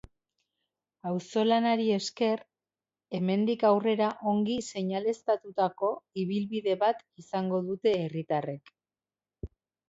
Auzolanari esker, hemendik aurrera ongi seinaleztatutako ibilbide bat izango dute herritarrek.